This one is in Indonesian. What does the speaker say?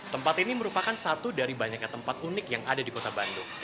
tempat ini merupakan satu dari banyaknya tempat unik yang ada di kota bandung